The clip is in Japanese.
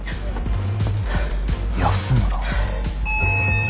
安村？